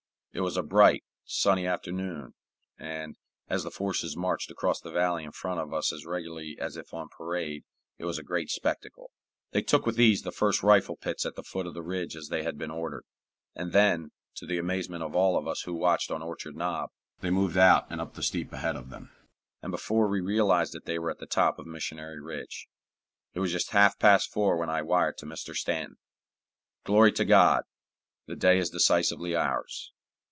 It was a bright, sunny afternoon, and, as the forces marched across the valley in front of us as regularly as if on parade, it was a great spectacle. They took with ease the first rifle pits at the foot of the ridge as they had been ordered, and then, to the amazement of all of us who watched on Orchard Knob, they moved out and up the steep ahead of them, and before we realized it they were at the top of Missionary Ridge. It was just half past four when I wired to Mr. Stanton: Glory to God! the day is decisively ours.